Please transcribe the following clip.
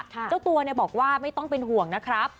เจ้าตัวบอกว่าไม่ต้องเป็นห่วงนะครับ